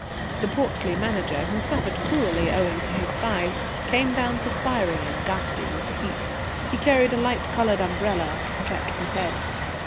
The portly Manager, who suffered cruelly owing to his size, came down perspiring and gasping with the heat. He carried a light coloured umbrella to protect his head.